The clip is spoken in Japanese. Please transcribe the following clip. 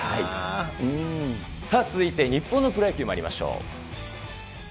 さあ、続いて日本のプロ野球まいりましょう。